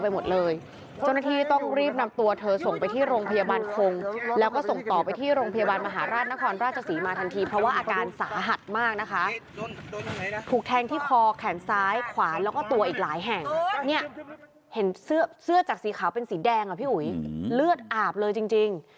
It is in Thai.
เห็นเสื้อเสื้อจากสีขาวเป็นสีแดงอ่ะพี่อุ๊ยเลือดอาบเลยจริงจริง